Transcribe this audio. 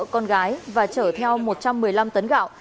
con gái và chở theo một trăm một mươi năm tấn gạo